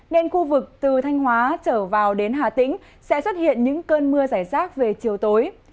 nên khu vực từ thanh hóa trở vào đến hà tĩnh sẽ xuất hiện những cơn mưa giải rác về chiều tối